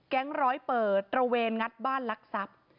ร้อยเปิดตระเวนงัดบ้านลักทรัพย์